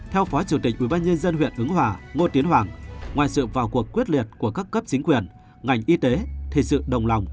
theo phó chủ tịch ubnd huyện ứng hòa ngô tiến hoàng ngoài sự vào cuộc quyết liệt của các cấp chính quyền ngành y tế thì sự đồng lòng